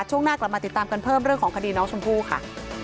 ช่วงหน้ากลับมาติดตามกันเพิ่มเรื่องของคดีน้องชมพู่ค่ะ